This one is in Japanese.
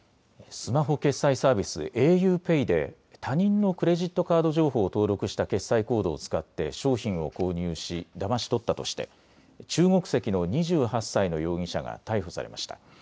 スマホ決済サービス、ａｕＰＡＹで他人のクレジットカード情報を登録した決済コードを使って商品を購入しだまし取ったとして中国籍の２８歳の容疑者が逮捕されました。